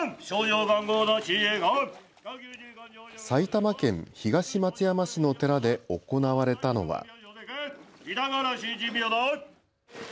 埼玉県東松山市の寺で行われたのは。